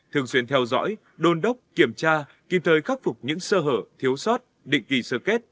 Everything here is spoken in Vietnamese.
thường xuyên theo dõi đôn đốc kiểm tra kịp thời khắc phục những sơ hở thiếu sót định kỳ sơ kết